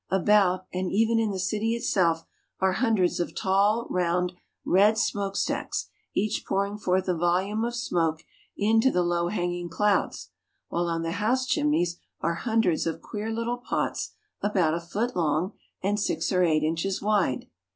About, and even in the city itself, are hundreds of tall, round, red smokestacks, each pouring forth a volume of smoke into the low hanging clouds, while on the house chimneys are hundreds of queer little pots about a foot long and six or eight inches wide.